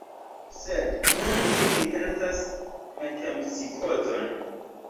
Sed nun mi pripensas metempsikozon.